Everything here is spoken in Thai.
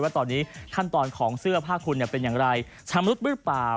ว่าตอนนี้ขั้นตอนของเสื้อผ้าคุณเป็นอย่างไรชำรุดหรือเปล่า